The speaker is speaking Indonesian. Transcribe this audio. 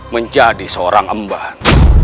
menjadi seorang emban